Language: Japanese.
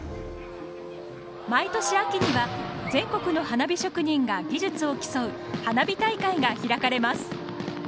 毎年秋には、全国の花火職人が技術を競う花火大会が開かれます。